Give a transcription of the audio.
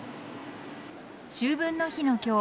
秋分の日の今日